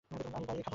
আমি বাইরে খাব।